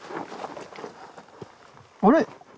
あれ！？